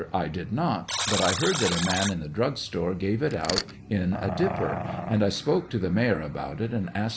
I did not, but I heard that a man in the drug store gave it out in a dipper, and I spoke to the mayor about it and asked.